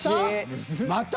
また？